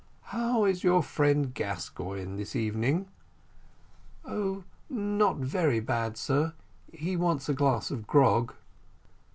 "How is your friend Gascoigne this evening?" "Oh, not very bad, sir he wants a glass of grog."